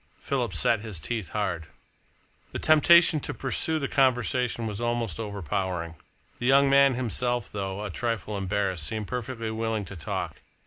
Philip set his teeth hard. The temptation to pursue the conversation was almost overpowering. The young man himself, though a trifle embarrassed, seemed perfectly willing to talk.